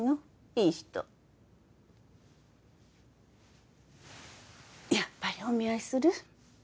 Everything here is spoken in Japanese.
いい人やっぱりお見合いする？